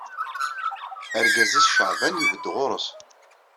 Argaz-is Caɛban ibedd ɣur-s